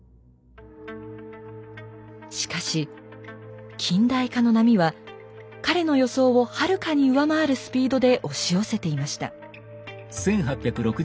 しかし近代化の波は彼の予想をはるかに上回るスピードで押し寄せていました。